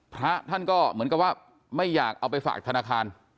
พระท่านก็เหมือนกับว่าไม่อยากเอาไปฝากธนาคาร